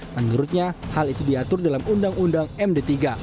menurutnya hal itu diatur dalam undang undang md tiga